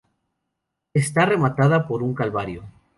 Está rematada por un Calvario.